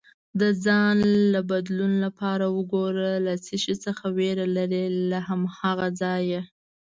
د ځان له بدلون لپاره وګوره له څه شي څخه ویره لرې، له هماغه ځایه